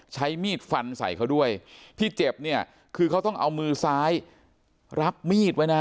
ใช้มีดฟันใส่เขาด้วยที่เจ็บเนี่ยคือเขาต้องเอามือซ้ายรับมีดไว้นะฮะ